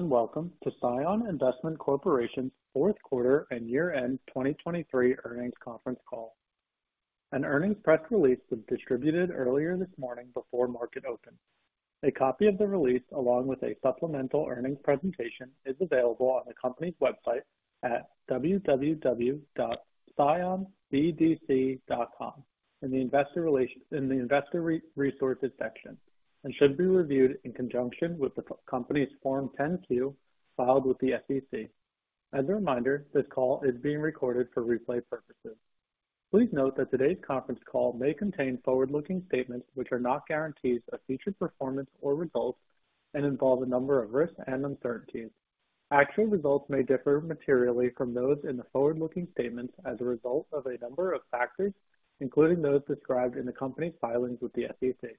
Welcome to Cion Investment Corporation's Q4 and Year-End 2023 Earnings Conference Call. An earnings press release was distributed earlier this morning before market open. A copy of the release along with a supplemental earnings presentation is available on the company's website at www.cionbdc.com in the investor resources section and should be reviewed in conjunction with the company's Form 10-Q filed with the SEC. As a reminder, this call is being recorded for replay purposes. Please note that today's conference call may contain forward-looking statements which are not guarantees of future performance or results and involve a number of risks and uncertainties. Actual results may differ materially from those in the forward-looking statements as a result of a number of factors including those described in the company's filings with the SEC.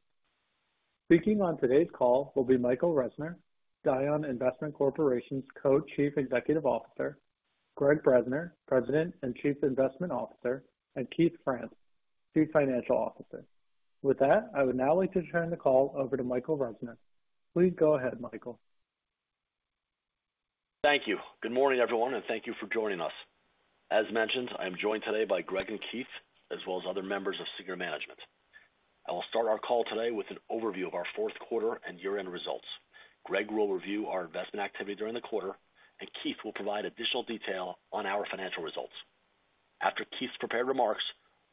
Speaking on today's call will be Michael Reisner, Cion Investment Corporation's Co-Chief Executive Officer, Gregg Bresner, President and Chief Investment Officer, and Keith Franz, Chief Financial Officer. With that, I would now like to turn the call over to Michael Reisner. Please go ahead, Michael. Thank you. Good morning, everyone, and thank you for joining us. As mentioned, I am joined today by Gregg and Keith as well as other members of senior management. I will start our call today with an overview of our Q4 and year-end results. Gregg will review our investment activity during the quarter, and Keith will provide additional detail on our financial results. After Keith's prepared remarks,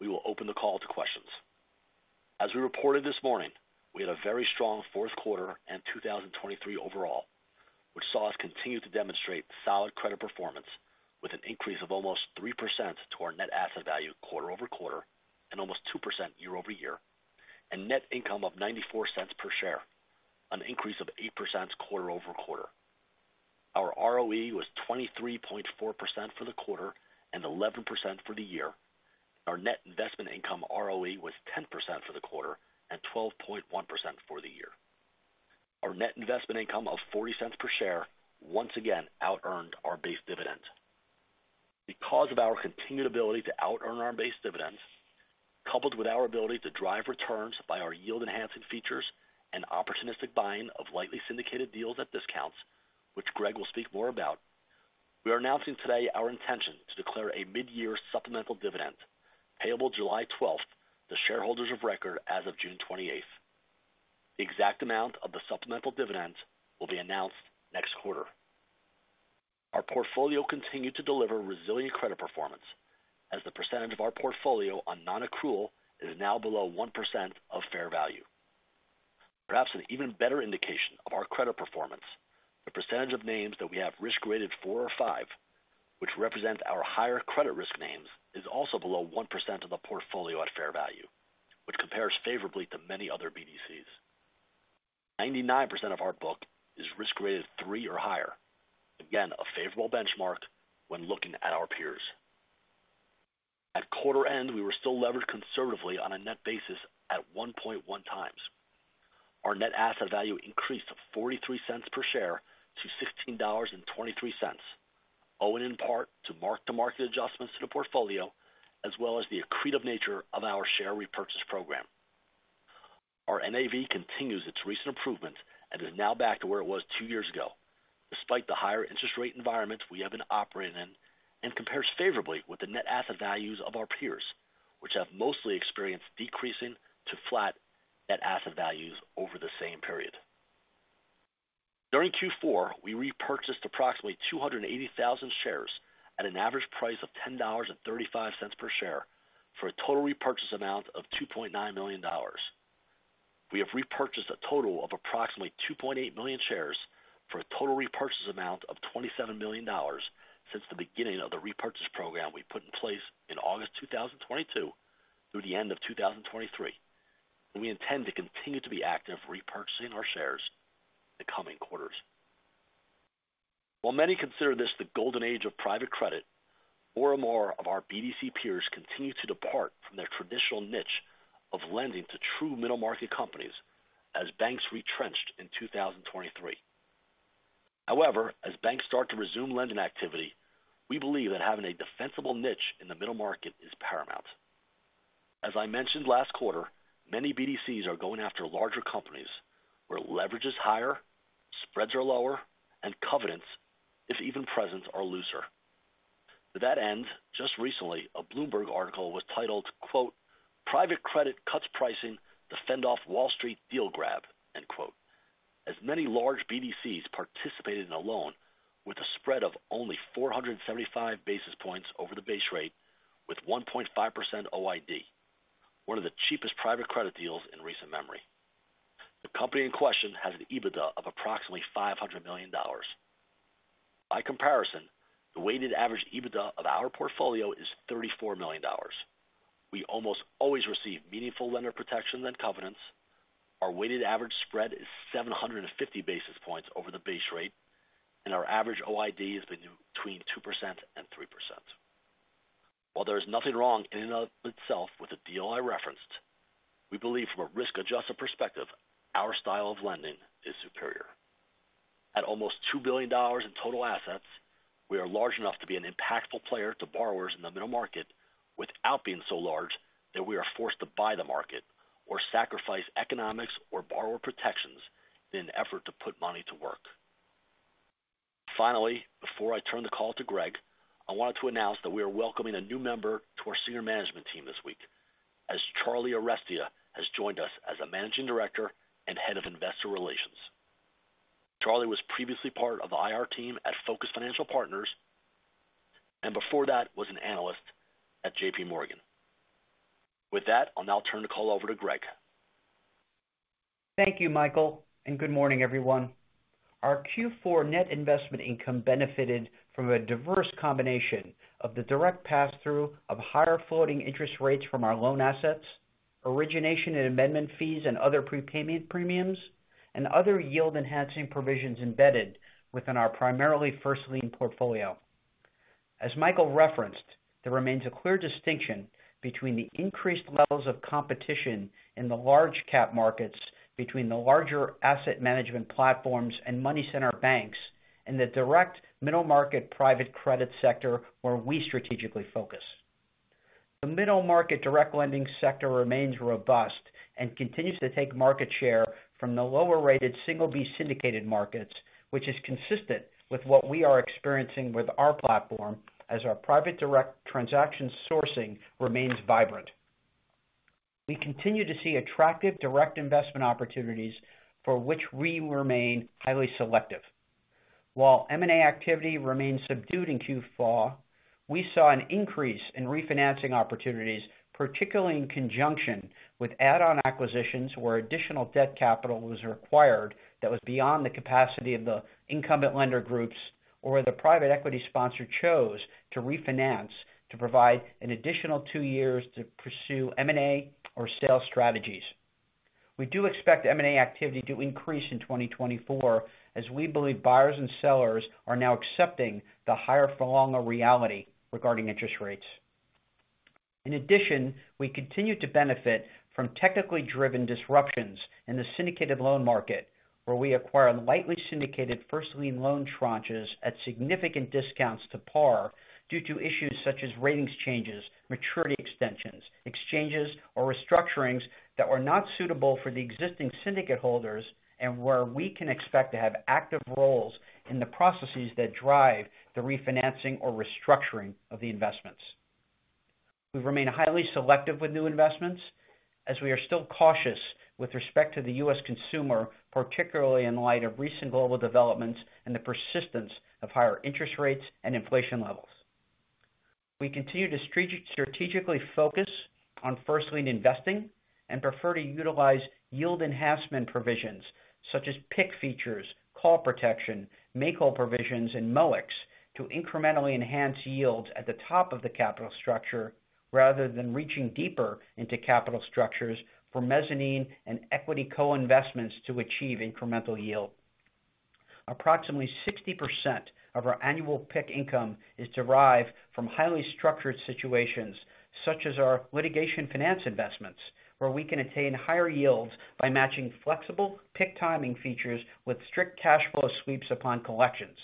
we will open the call to questions. As we reported this morning, we had a very strong Q4 and 2023 overall which saw us continue to demonstrate solid credit performance with an increase of almost 3% to our net asset value quarter-over-quarter and almost 2% year-over-year, and net income of $0.94 per share, an increase of 8% quarter-over-quarter. Our ROE was 23.4% for the quarter and 11% for the year, and our net investment income ROE was 10% for the quarter and 12.1% for the year. Our net investment income of $0.40 per share once again out-earned our base dividend. Because of our continued ability to out-earn our base dividend, coupled with our ability to drive returns by our yield-enhancing features and opportunistic buying of lightly syndicated deals at discounts which Gregg will speak more about, we are announcing today our intention to declare a mid-year supplemental dividend payable 12 July to shareholders of record as of 28 June. The exact amount of the supplemental dividend will be announced next quarter. Our portfolio continued to deliver resilient credit performance as the percentage of our portfolio on non-accrual is now below 1% of fair value. Perhaps an even better indication of our credit performance, the percentage of names that we have risk-rated four or five, which represent our higher credit risk names, is also below 1% of the portfolio at fair value, which compares favorably to many other BDCs. 99% of our book is risk-rated three or higher, again a favorable benchmark when looking at our peers. At quarter end, we were still levered conservatively on a net basis at 1.1x. Our net asset value increased of $0.43 per share to $16.23, owing in part to mark-to-market adjustments to the portfolio as well as the accretive nature of our share repurchase program. Our NAV continues its recent improvements and is now back to where it was two years ago despite the higher interest rate environment we have been operating in and compares favorably with the net asset values of our peers which have mostly experienced decreasing to flat net asset values over the same period. During Q4, we repurchased approximately 280,000 shares at an average price of $10.35 per share for a total repurchase amount of $2.9 million. We have repurchased a total of approximately 2.8 million shares for a total repurchase amount of $27 million since the beginning of the repurchase program we put in place in August 2022 through the end of 2023, and we intend to continue to be active repurchasing our shares in the coming quarters. While many consider this the golden age of private credit, more and more of our BDC peers continue to depart from their traditional niche of lending to true middle-market companies as banks retrenched in 2023. However, as banks start to resume lending activity, we believe that having a defensible niche in the middle market is paramount. As I mentioned last quarter, many BDCs are going after larger companies where leverage is higher, spreads are lower, and covenants, if even present, are looser. To that end, just recently a Bloomberg article was titled, "Private credit cuts pricing to fend off Wall Street deal grab," as many large BDCs participated in a loan with a spread of only 475 basis points over the base rate with 1.5% OID, one of the cheapest private credit deals in recent memory. The company in question has an EBITDA of approximately $500 million. By comparison, the weighted average EBITDA of our portfolio is $34 million. We almost always receive meaningful lender protection than covenants, our weighted average spread is 750 basis points over the base rate, and our average OID has been between 2% to 3%. While there is nothing wrong in and of itself with the deal I referenced, we believe from a risk-adjusted perspective our style of lending is superior. At almost $2 billion in total assets, we are large enough to be an impactful player to borrowers in the middle market without being so large that we are forced to buy the market or sacrifice economics or borrower protections in an effort to put money to work. Finally, before I turn the call to Gregg, I wanted to announce that we are welcoming a new member to our senior management team this week as Charlie Arestia has joined us as a Managing Director and Head of Investor Relations. Charlie was previously part of the IR team at Focus Financial Partners and before that was an analyst at JP Morgan. With that, I'll now turn the call over to Gregg. Thank you, Michael, and good morning, everyone. Our Q4 net investment income benefited from a diverse combination of the direct pass-through of higher floating interest rates from our loan assets, origination and amendment fees and other prepayment premiums, and other yield-enhancing provisions embedded within our primarily first-lien portfolio. As Michael referenced, there remains a clear distinction between the increased levels of competition in the large-cap markets between the larger asset management platforms and money-center banks and the direct middle-market private credit sector where we strategically focus. The middle-market direct lending sector remains robust and continues to take market share from the lower-rated single-B syndicated markets which is consistent with what we are experiencing with our platform as our private direct transaction sourcing remains vibrant. We continue to see attractive direct investment opportunities for which we remain highly selective. While M&A activity remained subdued in Q4, we saw an increase in refinancing opportunities particularly in conjunction with add-on acquisitions where additional debt capital was required that was beyond the capacity of the incumbent lender groups or where the private equity sponsor chose to refinance to provide an additional two years to pursue M&A or sales strategies. We do expect M&A activity to increase in 2024 as we believe buyers and sellers are now accepting the higher-for-longer reality regarding interest rates. In addition, we continue to benefit from technically driven disruptions in the syndicated loan market where we acquire lightly syndicated first-lien loan tranches at significant discounts to par due to issues such as ratings changes, maturity extensions, exchanges, or restructurings that were not suitable for the existing syndicate holders and where we can expect to have active roles in the processes that drive the refinancing or restructuring of the investments. We remain highly selective with new investments as we are still cautious with respect to the US consumer particularly in light of recent global developments and the persistence of higher interest rates and inflation levels. We continue to strategically focus on first-lien investing and prefer to utilize yield enhancement provisions such as PIK features, call protection, make-whole provisions, and MOICs to incrementally enhance yields at the top of the capital structure rather than reaching deeper into capital structures for mezzanine and equity co-investments to achieve incremental yield. Approximately 60% of our annual PIK income is derived from highly structured situations such as our litigation finance investments where we can attain higher yields by matching flexible PIK timing features with strict cash flow sweeps upon collections,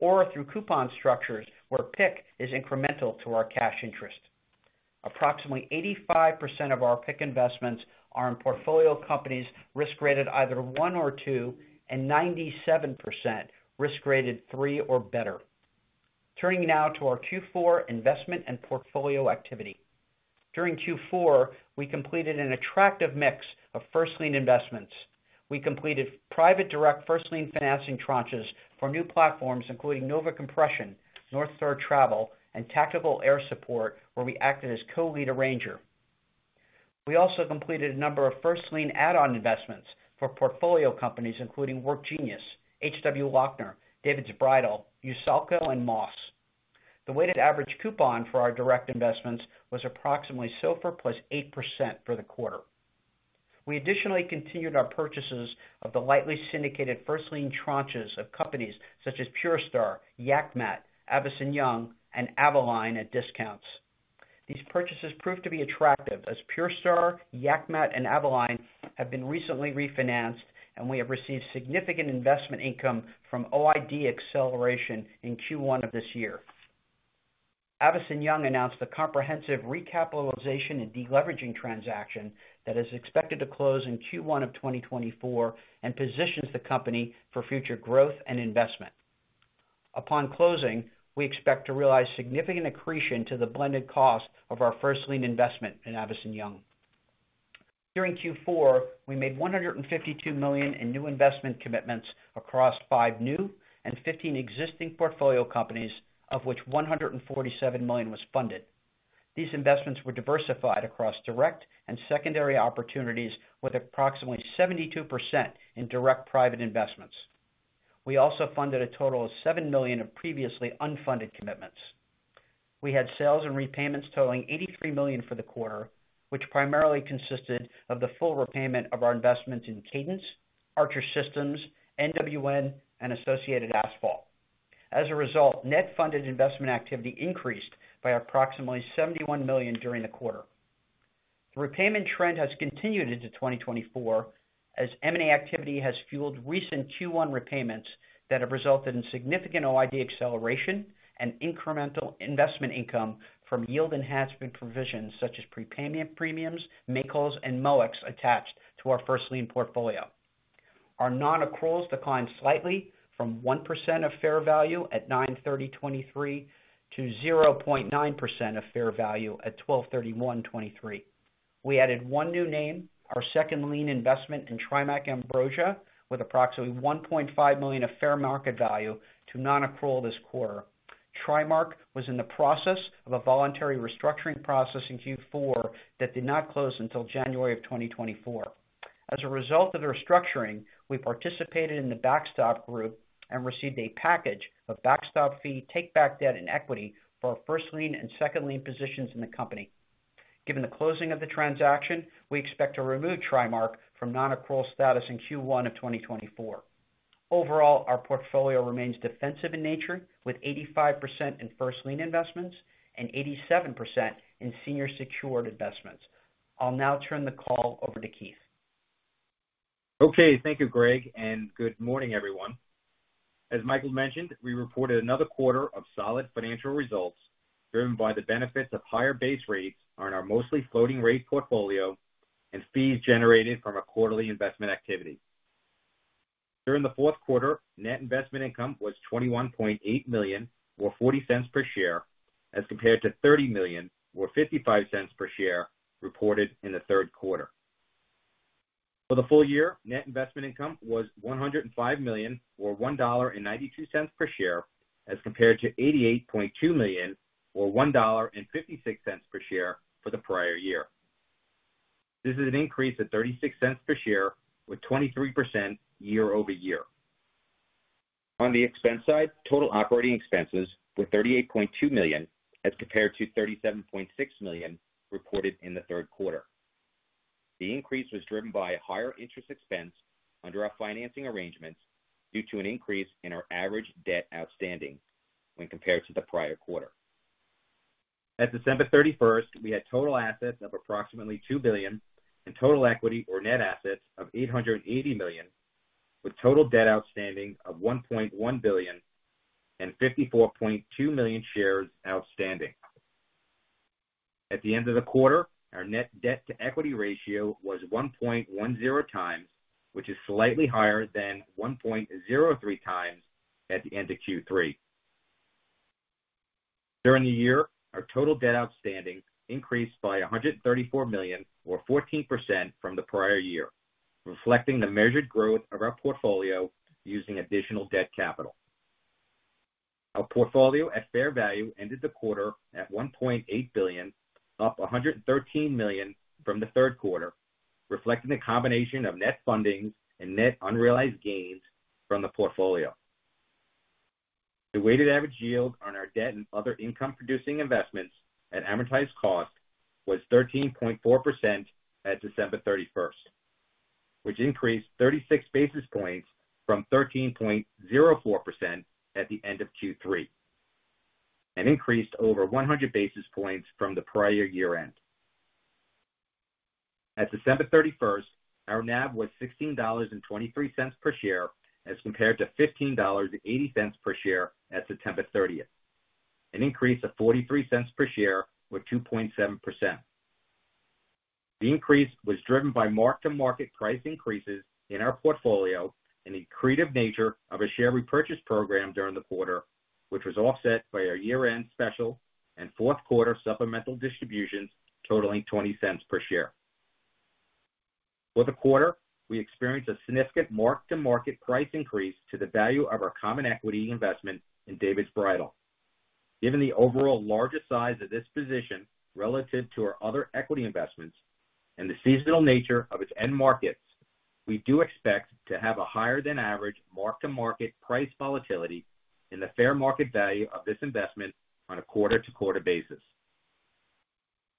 or through coupon structures where PIK is incremental to our cash interest. Approximately 85% of our PIK investments are in portfolio companies risk-rated either one or two and 97% risk-rated three or better. Turning now to our Q4 investment and portfolio activity. During Q4, we completed an attractive mix of first-lien investments. We completed private direct first-lien financing tranches for new platforms including Nova Compression, Northstar Travel Group, and Tactical Air Support where we acted as co-lead arranger. We also completed a number of first-lien add-on investments for portfolio companies including WorkGenius, H.W. Lochner, David's Bridal, USALCO, and Moss. The weighted average coupon for our direct investments was approximately SOFR + 8% for the quarter. We additionally continued our purchases of the lightly syndicated first-lien tranches of companies such as PureStar, YAK MAT, Avison Young, and Avalign at discounts. These purchases proved to be attractive as PureStar, YAK MAT, and Avalign have been recently refinanced and we have received significant investment income from OID acceleration in Q1 of this year. Avison Young announced the comprehensive recapitalization and de-leveraging transaction that is expected to close in Q1 of 2024 and positions the company for future growth and investment. Upon closing, we expect to realize significant accretion to the blended cost of our first-lien investment in Avison Young. During Q4, we made $152 million in new investment commitments across five new and 15 existing portfolio companies, of which $147 million was funded. These investments were diversified across direct and secondary opportunities with approximately 72% in direct private investments. We also funded a total of $7 million of previously unfunded commitments. We had sales and repayments totaling $83 million for the quarter, which primarily consisted of the full repayment of our investments in Cadence, Archer Systems, NWN, and Associated Asphalt. As a result, net funded investment activity increased by approximately $71 million during the quarter. The repayment trend has continued into 2024 as M&A activity has fueled recent Q1 repayments that have resulted in significant OID acceleration and incremental investment income from yield enhancement provisions such as prepayment premiums, make-whole, and MOICs attached to our first-lien portfolio. Our non-accruals declined slightly from 1% of fair value at 09/30/2023 to 0.9% of fair value at 12/31/2023. We added one new name, our second-lien investment in TriMark USA with approximately $1.5 million of fair market value to non-accrual this quarter. TriMark USA was in the process of a voluntary restructuring process in Q4 that did not close until January of 2024. As a result of the restructuring, we participated in the Backstop Group and received a package of Backstop fee, takeback debt, and equity for our first-lien and second-lien positions in the company. Given the closing of the transaction, we expect to remove TriMark from non-accrual status in Q1 of 2024. Overall, our portfolio remains defensive in nature with 85% in first-lien investments and 87% in senior secured investments. I'll now turn the call over to Keith. Okay, thank you, Gregg, and good morning, everyone. As Michael mentioned, we reported another quarter of solid financial results driven by the benefits of higher base rates on our mostly floating-rate portfolio and fees generated from our quarterly investment activity. During the Q4, net investment income was $21.8 million or $0.40 per share as compared to $30 million or $0.55 per share reported in the Q3. For the full year, net investment income was $105 million or $1.92 per share as compared to $88.2 million or $1.56 per share for the prior year. This is an increase of $0.36 per share with 23% year-over-year. On the expense side, total operating expenses were $38.2 million as compared to $37.6 million reported in the Q3. The increase was driven by higher interest expense under our financing arrangements due to an increase in our average debt outstanding when compared to the prior quarter. At December 31st, we had total assets of approximately $2 billion and total equity or net assets of $880 million with total debt outstanding of $1.1 billion and 54.2 million shares outstanding. At the end of the quarter, our net debt-to-equity ratio was 1.10x, which is slightly higher than 1.03x at the end of Q3. During the year, our total debt outstanding increased by $134 million or 14% from the prior year reflecting the measured growth of our portfolio using additional debt capital. Our portfolio at fair value ended the quarter at $1.8 billion up $113 million from the Q3 reflecting the combination of net fundings and net unrealized gains from the portfolio. The weighted average yield on our debt and other income-producing investments at amortized cost was 13.4% at 31 December, which increased 36 basis points from 13.04% at the end of Q3 and increased over 100 basis points from the prior year-end. At 31 December, our NAV was $16.23 per share as compared to $15.80 per share at 30 September, an increase of $0.43 per share with 2.7%. The increase was driven by mark-to-market price increases in our portfolio and the creative nature of a share repurchase program during the quarter, which was offset by our year-end special and Q4 supplemental distributions totaling $0.20 per share. For the quarter, we experienced a significant mark-to-market price increase to the value of our common equity investment in David's Bridal. Given the overall larger size of this position relative to our other equity investments and the seasonal nature of its end markets, we do expect to have a higher-than-average mark-to-market price volatility in the fair market value of this investment on a quarter-to-quarter basis.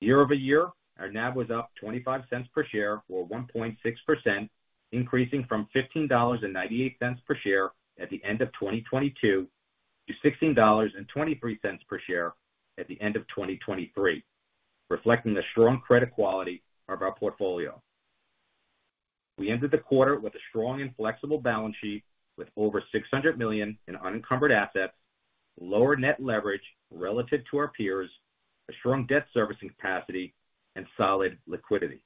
Year-over-year, our NAV was up $0.25 per share or 1.6% increasing from $15.98 per share at the end of 2022 to $16.23 per share at the end of 2023 reflecting the strong credit quality of our portfolio. We ended the quarter with a strong and flexible balance sheet with over $600 million in unencumbered assets, lower net leverage relative to our peers, a strong debt servicing capacity, and solid liquidity.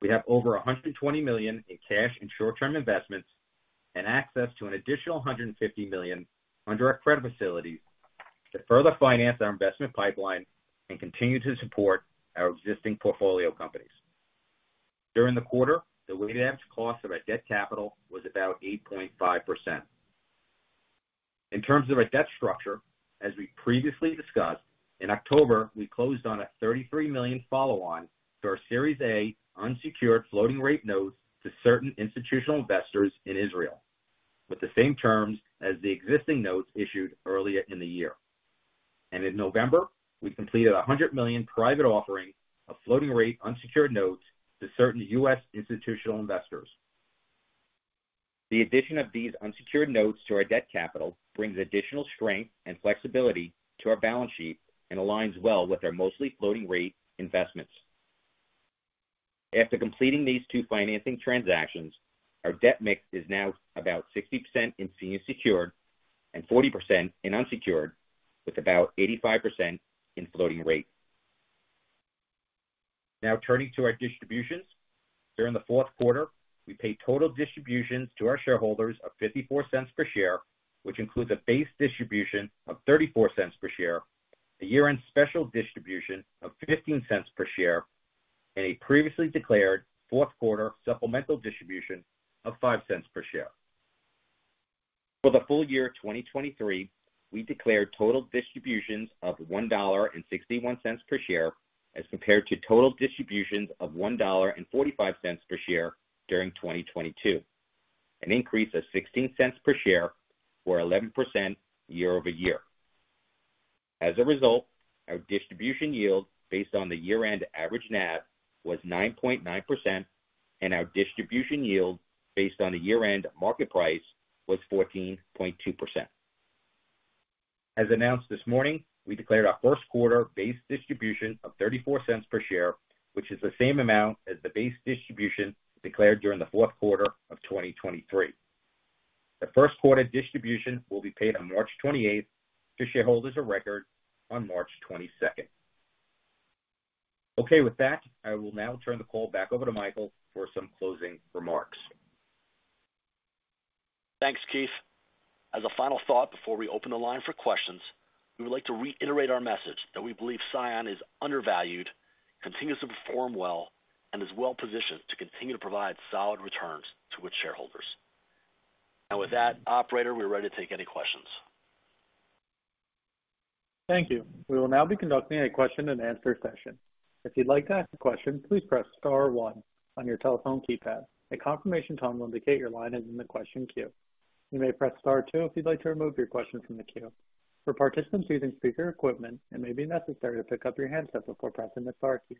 We have over $120 million in cash and short-term investments and access to an additional $150 million under our credit facilities to further finance our investment pipeline and continue to support our existing portfolio companies. During the quarter, the weighted average cost of our debt capital was about 8.5%. In terms of our debt structure, as we previously discussed, in October we closed on a $33 million follow-on to our Series A unsecured floating-rate notes to certain institutional investors in Israel with the same terms as the existing notes issued earlier in the year. In November, we completed a $100 million private offering of floating-rate unsecured notes to certain US institutional investors. The addition of these unsecured notes to our debt capital brings additional strength and flexibility to our balance sheet and aligns well with our mostly floating-rate investments. After completing these two financing transactions, our debt mix is now about 60% in senior secured and 40% in unsecured with about 85% in floating-rate. Now turning to our distributions. During the Q4, we paid total distributions to our shareholders of $0.54 per share which includes a base distribution of $0.34 per share, a year-end special distribution of $0.15 per share, and a previously declared Q4 supplemental distribution of $0.05 per share. For the full year 2023, we declared total distributions of $1.61 per share as compared to total distributions of $1.45 per share during 2022, an increase of $0.16 per share or 11% year-over-year. As a result, our distribution yield based on the year-end average NAV was 9.9% and our distribution yield based on the year-end market price was 14.2%. As announced this morning, we declared our Q1 base distribution of $0.34 per share which is the same amount as the base distribution declared during the Q4 of 2023. The Q1 distribution will be paid on 28 March to shareholders of record on 22 March. Okay, with that, I will now turn the call back over to Michael for some closing remarks. Thanks, Keith. As a final thought before we open the line for questions, we would like to reiterate our message that we believe Cion is undervalued, continues to perform well, and is well positioned to continue to provide solid returns to its shareholders. Now with that, operator, we're ready to take any questions. Thank you. We will now be conducting a question-and-answer session. If you'd like to ask a question, please press star one on your telephone keypad. A confirmation tone will indicate your line is in the question queue. You may press star two if you'd like to remove your question from the queue. For participants using speaker equipment, it may be necessary to PIKk up your handset before pressing the star key.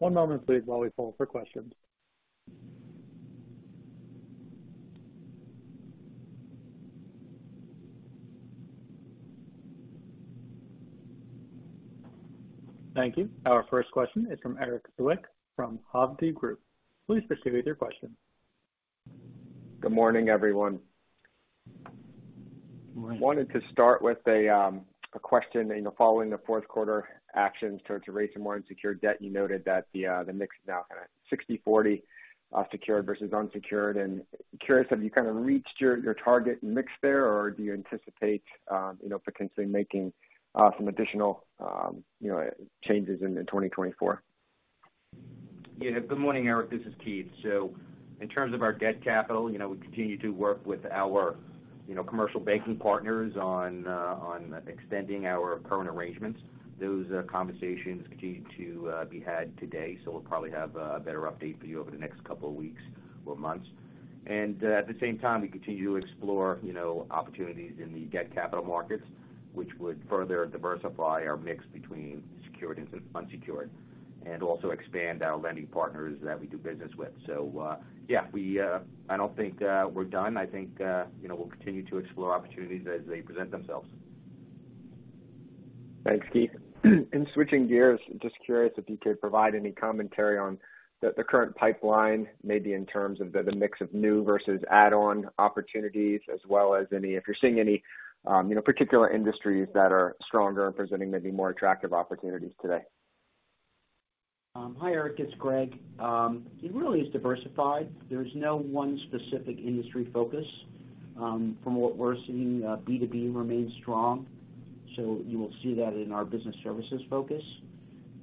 One moment, please, while we pull for questions. Thank you. Our first question is from Erik Zwick from Hovde Group. Please proceed with your question. Good morning, everyone. Wanted to start with a question. Following the Q4 actions toward a rate to more unsecured debt, you noted that the mix is now kind of 60/40 secured versus unsecured. And, curious, have you kind of reached your target mix there or do you anticipate potentially making some additional changes in 2024? Yeah. Good morning, Erik. This is Keith. So in terms of our debt capital, we continue to work with our commercial banking partners on extending our current arrangements. Those conversations continue to be had today, so we'll probably have a better update for you over the next couple of weeks or months. And at the same time, we continue to explore opportunities in the debt capital markets which would further diversify our mix between secured and unsecured and also expand our lending partners that we do business with. So yeah, I don't think we're done. I think we'll continue to explore opportunities as they present themselves. Thanks, Keith. And switching gears, just curious if you could provide any commentary on the current pipeline, maybe in terms of the mix of new versus add-on opportunities as well as if you're seeing any particular industries that are stronger and presenting maybe more attractive opportunities today? Hi, Erik. It's Gregg. It really is diversified. There is no one specific industry focus. From what we're seeing, B2B remains strong, so you will see that in our business services focus.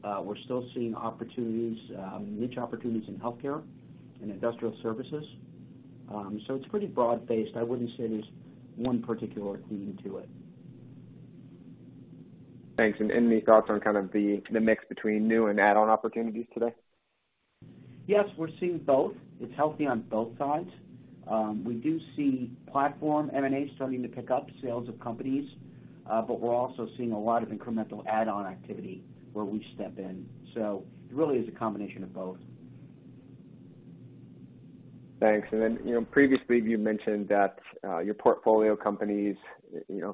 We're still seeing niche opportunities in healthcare and industrial services. So it's pretty broad-based. I wouldn't say there's one particular theme to it. Thanks. And any thoughts on kind of the mix between new and add-on opportunities today? Yes, we're seeing both. It's healthy on both sides. We do see platform M&As starting to PIKk up sales of companies, but we're also seeing a lot of incremental add-on activity where we step in. So it really is a combination of both. Thanks. Then previously, you mentioned that your portfolio companies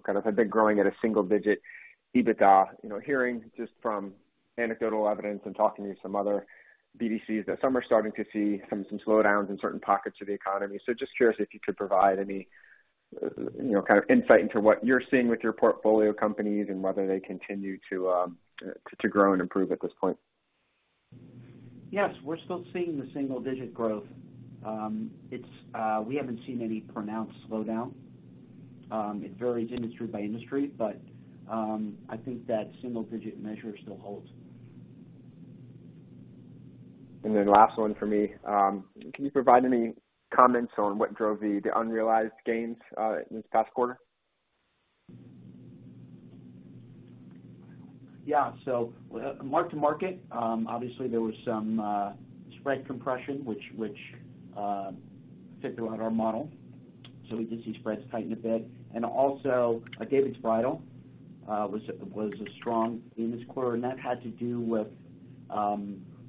kind of had been growing at a single-digit EBITDA. Hearing just from anecdotal evidence and talking to some other BDCs, some are starting to see some slowdowns in certain pockets of the economy. Just curious if you could provide any kind of insight into what you're seeing with your portfolio companies and whether they continue to grow and improve at this point. Yes, we're still seeing the single-digit growth. We haven't seen any pronounced slowdown. It varies industry by industry, but I think that single-digit measure still holds. And then, last one for me. Can you provide any comments on what drove the unrealized gains in this past quarter? Yeah. So mark-to-market, obviously, there was some spread compression which hit throughout our model. So we did see spreads tighten a bit. And also, David's Bridal was a strong theme this quarter, and that had to do with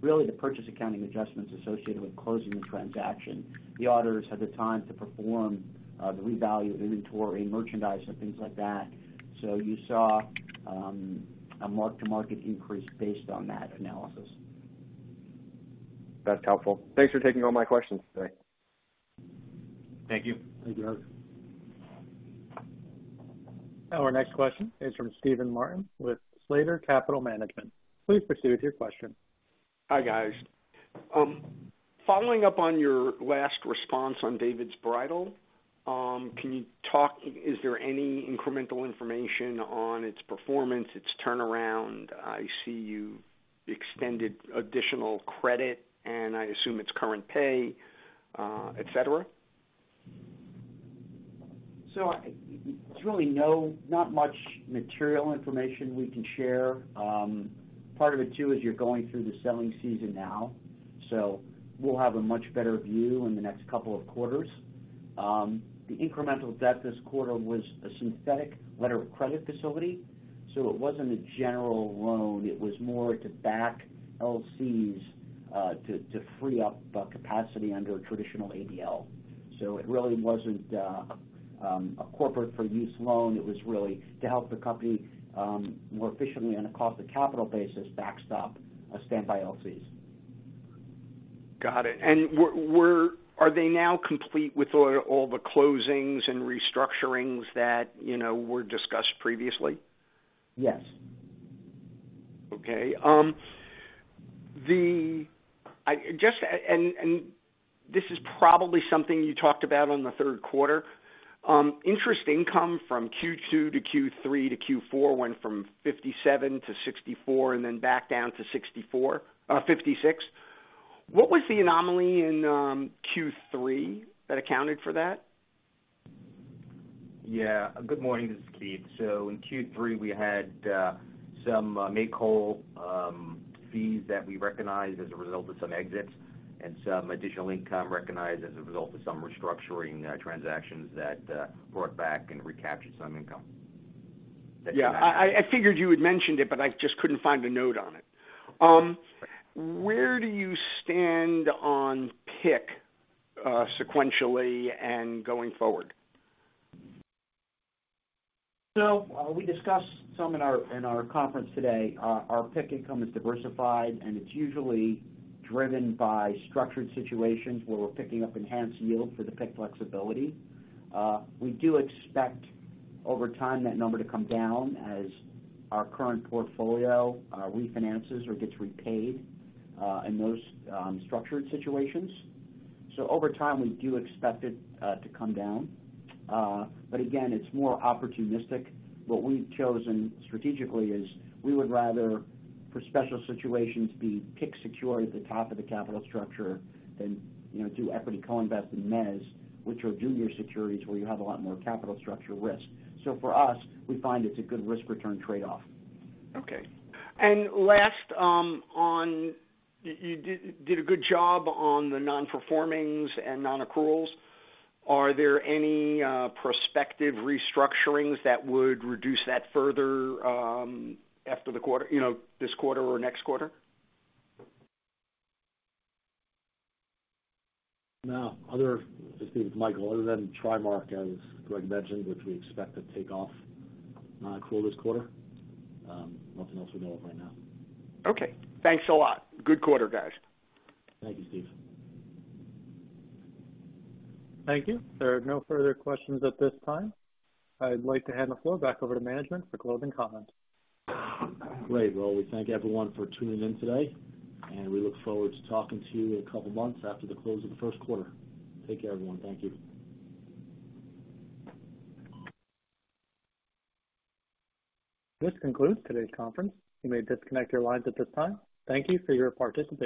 really the purchase accounting adjustments associated with closing the transaction. The auditors had the time to perform the revalue of inventory and merchandise and things like that. So you saw a mark-to-market increase based on that analysis. That's helpful. Thanks for taking all my questions today. Thank you. Thank you, Erik. Our next question is from Stephen Martin with Slater Capital Management. Please proceed with your question. Hi, guys. Following up on your last response on David's Bridal, can you talk is there any incremental information on its performance, its turnaround? I see you extended additional credit, and I assume it's current pay, etc. So there's really not much material information we can share. Part of it, too, is you're going through the selling season now, so we'll have a much better view in the next couple of quarters. The incremental debt this quarter was a synthetic letter of credit facility, so it wasn't a general loan. It was more to back LCs to free up capacity under traditional ABL. So it really wasn't a corporate-for-use loan. It was really to help the company more efficiently on a cost-of-capital basis backstop a standby LCs. Got it. And are they now complete with all the closings and restructurings that were discussed previously? Yes. Okay. This is probably something you talked about on the Q3. Interest income from Q2 to Q3 to Q4 went from $57 to 64 and then back down to $56. What was the anomaly in Q3 that accounted for that? Yeah. Good morning. This is Keith. So in Q3, we had some make-whole fees that we recognized as a result of some exits and some additional income recognized as a result of some restructuring transactions that brought back and recaptured some income that came back. Yeah. I figured you had mentioned it, but I just couldn't find a note on it. Where do you stand on PIK sequentially and going forward? So we discussed some in our conference today. Our PIK income is diversified, and it's usually driven by structured situations where we're PIKking up enhanced yield for the PIK flexibility. We do expect over time that number to come down as our current portfolio refinances or gets repaid in those structured situations. So over time, we do expect it to come down. But again, it's more opportunistic. What we've chosen strategically is we would rather for special situations be PIK secure at the top of the capital structure than do equity co-invest in mezz, which are junior securities where you have a lot more capital structure risk. So for us, we find it's a good risk-return trade-off. Okay. And lastly, you did a good job on the non-performers and non-accruals. Are there any prospective restructurings that would reduce that further after this quarter or next quarter? No. Let's see with Michael. Other than TriMark, as Gregg mentioned, which we expect to take off accrual this quarter. Nothing else we know of right now. Okay. Thanks a lot. Good quarter, guys. Thank you, Steve. Thank you. There are no further questions at this time. I'd like to hand the floor back over to management for closing comments. All right. Well, we thank everyone for tuning in today, and we look forward to talking to you in a couple of months after the close of the Q1. Take care, everyone. Thank you. This concludes today's conference. You may disconnect your lines at this time. Thank you for your participation.